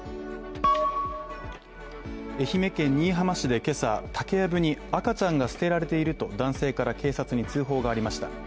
愛媛県新居浜市でけさ、竹やぶに赤ちゃんが捨てられていると男性から警察に通報がありました。